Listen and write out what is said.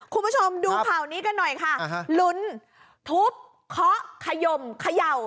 คุณผู้ชมดูข่าวนี้กันหน่อยค่ะลุ้นทุบเคาะขยมเขย่า